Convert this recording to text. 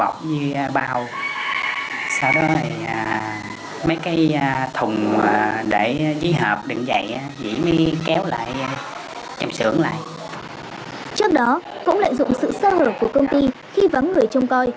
trước đó cũng lợi dụng sự sơ hở của công ty khi vắng người trông coi